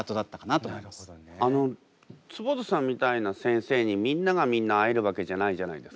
あの坪田さんみたいな先生にみんながみんな会えるわけじゃないじゃないですか。